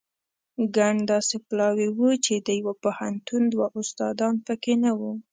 ګڼ داسې پلاوي وو چې د یوه پوهنتون دوه استادان په کې نه وو.